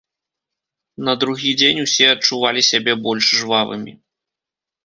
На другі дзень усе адчувалі сябе больш жвавымі.